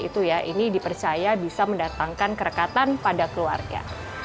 ini dipercaya bisa mendatangkan kerekatan pada keluarga